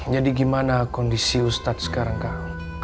jadi gimana kondisi ustadz sekarang kak